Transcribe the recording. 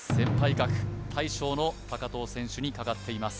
格大将の藤選手にかかっています